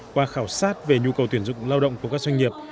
qua khảo sát về nhu cầu tuyển dụng lao động của các doanh nghiệp